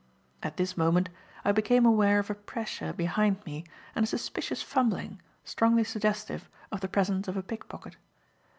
At this moment, I became aware of a pressure behind me and a suspicious fumbling, strongly suggestive of the presence of a pick pocket.